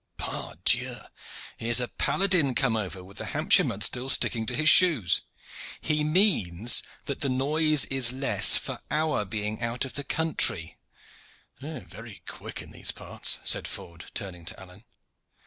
"Pardieu! here is a paladin come over, with the Hampshire mud still sticking to his shoes. He means that the noise is less for our being out of the country." "They are very quick in these parts," said Ford, turning to Alleyne.